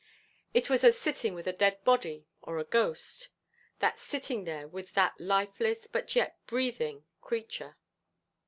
it was as sitting with a dead body or a ghost that sitting there with that lifeless but yet breathing creature.